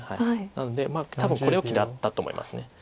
なので多分これを嫌ったと思います。